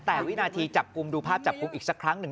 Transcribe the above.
แต่วินาทีจับกลุ่มดูภาพจับกลุ่มอีกสักครั้งหนึ่ง